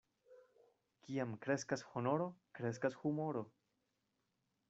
Kiam kreskas honoro, kreskas humoro.